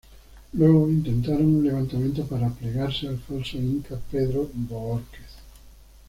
Luego, intentaron un levantamiento para plegarse al falso inca Pedro Bohórquez.